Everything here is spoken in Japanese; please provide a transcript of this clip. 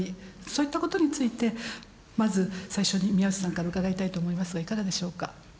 そういったことについてまず最初に宮内さんから伺いたいと思いますがいかがでしょうか。